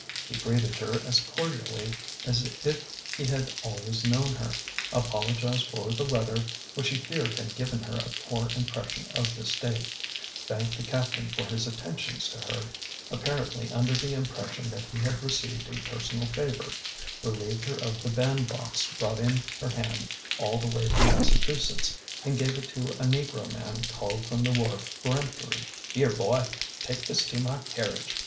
He greeted her as cordially as if he had always known her, apologized for the weather, which he feared had given her a poor impression of the State, thanked the captain for his attentions to her, ap parently under the impression that he had received a personal favor, relieved her of the bandbox brought in her hand all the way from Massachusetts, and gave it to a negro man called from the wharf with a peremptory " Here, boy ! take this to my carriage